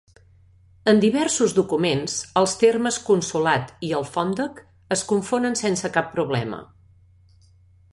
En diversos documents els termes consolat i alfòndec es confonen sense cap problema.